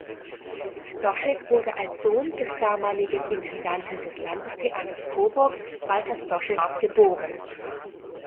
Stoschek wurde als Sohn des damaligen Intendanten des Landestheaters Coburg Walter Stoschek geboren.